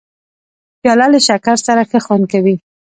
پیاله له شکر سره ښه خوند کوي.